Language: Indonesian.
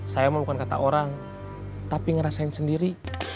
saya emang bukan kata orang tapi ngerasain sendiri